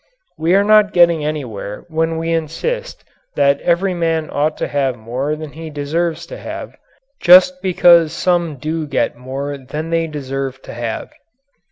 We are not getting anywhere when we insist that every man ought to have more than he deserves to have just because some do get more than they deserve to have.